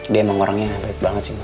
dia emang orangnya baik banget sih ma